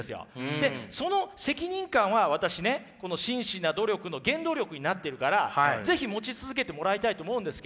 でその責任感は私ねこの真摯な努力の原動力になってるから是非持ち続けてもらいたいと思うんですけど。